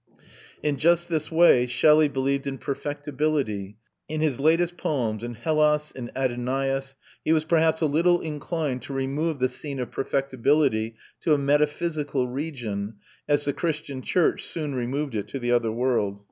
In just this way, Shelley believed in perfectibility. In his latest poems in Hellas, in Adonais he was perhaps a little inclined to remove the scene of perfectibility to a metaphysical region, as the Christian church soon removed it to the other world.